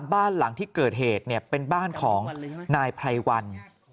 บ้านหลังที่เกิดเหตุเป็นบ้านของนายไพรวัน